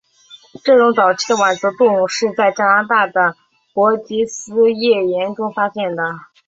这种早期的腕足动物是在加拿大的伯吉斯页岩中发现的。